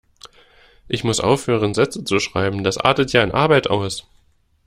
Ich muss aufhören Sätze zu schreiben, das artet ja in Arbeit aus.